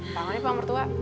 tangan nih pak mertua